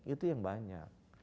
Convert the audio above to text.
itu yang banyak